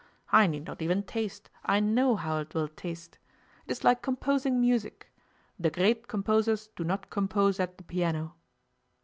I need not even taste, I know how it will taste. It is like composing music. De great composers do not compose at de piano.